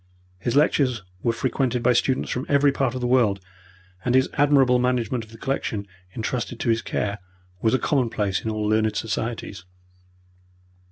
His lectures were frequented by students from every part of the world, and his admirable management of the collection intrusted to his care was a commonplace in all learned societies.